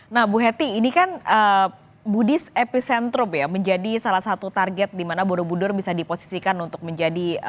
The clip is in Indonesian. nah ibu hattie ini kan budis epicentrum ya menjadi salah satu target dimana borobudur bisa diposisikan untuk menjadi